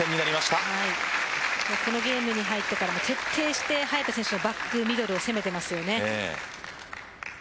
このゲームに入ってから徹底して早田選手がバックミドルを攻めています。